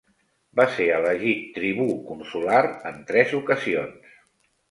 Va ser elegit tribú consular en tres ocasions.